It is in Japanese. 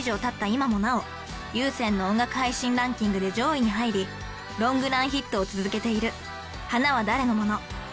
今もなおＵＳＥＮの音楽配信ランキングで上位に入りロングランヒットを続けている『花は誰のもの？』